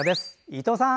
伊藤さん。